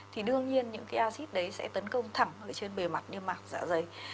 thì đương nhiên những acid đấy sẽ tấn công thẳng trên bề mặt niêm mạc dạ dày